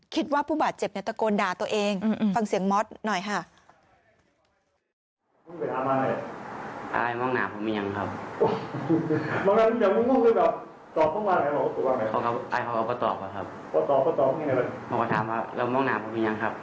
ผู้บาดเจ็บตะโกนด่าตัวเองฟังเสียงม็อตหน่อยค่ะ